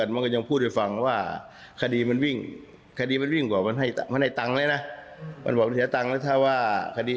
มันไว้ใจได้